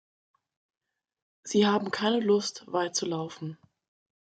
Sie haben keine Lust, weit zu laufen.